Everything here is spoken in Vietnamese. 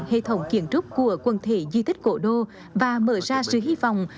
hệ thống kiến trúc của quần thể di tích cổ đô và mở ra sự hy vọng